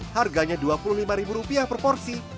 harganya dua puluh lima ribu rupiah per porsi